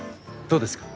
どうですか？